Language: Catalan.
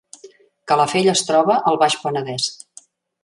Calafell es troba al Baix Penedès